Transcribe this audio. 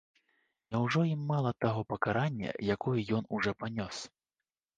Няўжо ім мала таго пакарання, якое ён ужо панёс?